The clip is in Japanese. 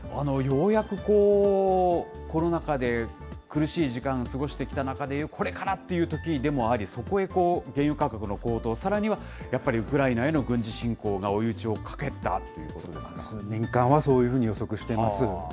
ようやく、コロナ禍で苦しい時間を過ごしてきた中で、これからっていうときでもあり、そこへ原油価格の高騰、さらにはやっぱりウクライナへの軍事侵攻が追い打ちをかけたとい数年間はそう予測しています。